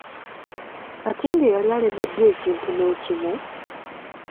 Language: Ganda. Katinge yali alemeddwa ekintu n’ekimu?